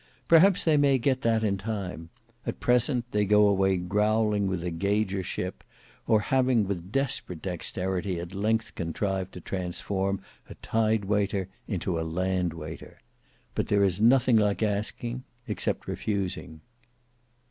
Perhaps they may get that in time; at present they go away growling with a gaugership; or, having with desperate dexterity at length contrived to transform a tidewaiter into a landwaiter. But there is nothing like asking—except refusing.